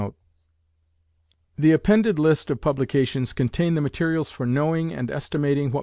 The appended list of publications contain the materials for knowing and estimating what M.